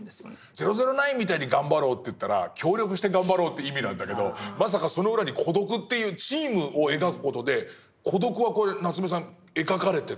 「００９」みたいに頑張ろうといったら協力して頑張ろうという意味なんだけどまさかその裏に孤独っていうチームを描く事で孤独はこれ夏目さん描かれてる？